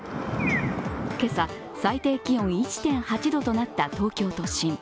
今朝、最低気温１．８度となった東京都心。